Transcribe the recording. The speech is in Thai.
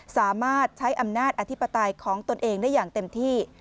สามารถใช้อำนาจอธิปไตยของตนเองได้อย่างเต็มที่